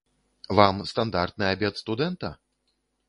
Вам стандартны абед студэнта?